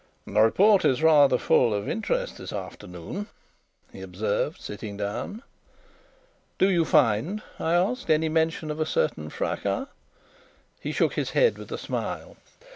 "The report is rather full of interest this afternoon," he observed, sitting down. "Do you find," I asked, "any mention of a certain fracas?" He shook his head with a smile.